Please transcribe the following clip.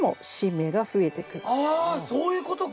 あそういうことか！